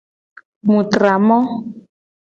Mu tra mo.